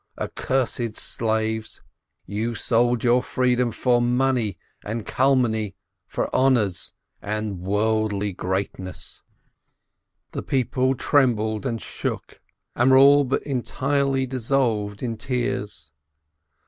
Accursed slaves! You sold your freedom for money and calumny, for honors and worldly greatness!" The people trembled and shook and were all but entirely dissolved in tears.